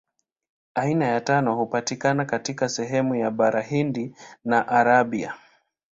Aina ya tano hupatikana katika sehemu ya Bara Hindi na Arabia.